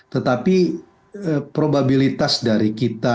tetapi probabilitas dari kondisi ini